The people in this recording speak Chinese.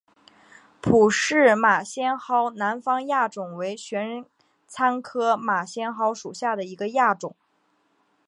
普氏马先蒿南方亚种为玄参科马先蒿属下的一个亚种。